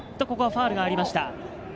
ここはファウルがありました。